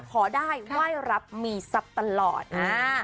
ขอได้ไหว้รับมีทรัพย์ตลอดอ่า